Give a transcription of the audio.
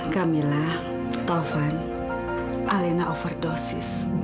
kamilah taufan alena overdosis